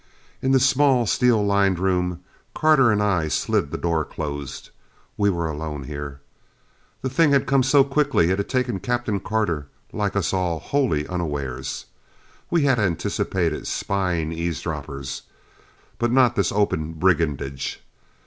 In the small, steel lined room, Carter and I slid the door closed. We were alone here. The thing had come so quickly it had taken Captain Carter, like us all, wholly unawares. We had anticipated spying eavesdroppers, but not this open brigandage.